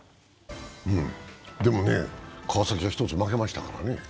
でもね、川崎は１つ負けましたからね。